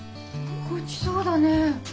ごちそうだね。